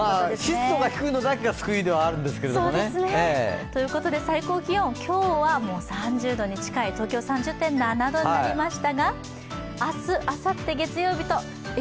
湿度が低いのだけが救いではあるんですけどね。ということで最高気温は、今日は３０度に近い、東京３０．７度になりましたが、明日、あさって月曜日とえ？